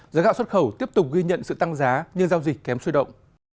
giá gạo xuất khẩu tiếp tục ghi nhận sự tăng giá nhưng giao dịch kém sôi động